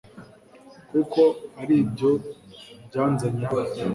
kuko ari ibyo byanzanye hano